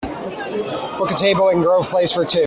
book a table in Grove Place for two